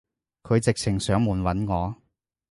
佢直情上門搵我